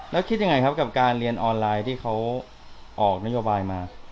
แล้วคิดยังไงครับกับการเรียนออนไลน์ที่เขาออกนโยบายมา